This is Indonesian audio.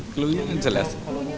clue nya kan jelas